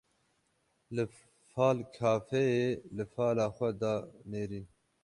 Li Fal kafeyê li fala xwe da nêrîn.